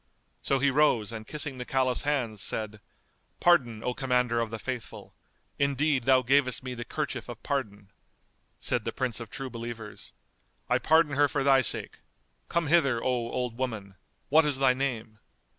So he rose and kissing the Caliph's hands, said, "Pardon, O Commander of the Faithful! Indeed, thou gavest me the kerchief of pardon." Said the Prince of True Believers, "I pardon her for thy sake: come hither, O old woman; what is thy name?"